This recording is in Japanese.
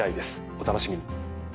お楽しみに。